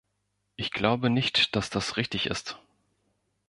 Ich glaube nicht, dass das richtig ist.